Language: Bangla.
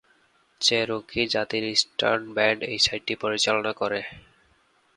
চেরোকি জাতির ইস্টার্ন ব্যান্ড এই সাইটটি পরিচালনা করে।